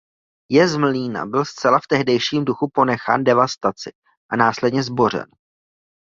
Jez mlýna byl zcela v tehdejším duchu ponechán devastaci a následně zbořen.